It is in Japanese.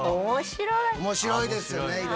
面白いですよね。